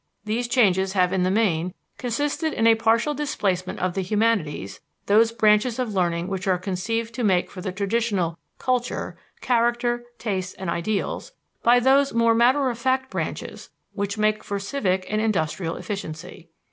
These changes have in the main consisted in a partial displacement of the humanities those branches of learning which are conceived to make for the traditional "culture", character, tastes, and ideals by those more matter of fact branches which make for civic and industrial efficiency.